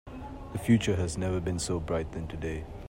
The future has never been so bright than today.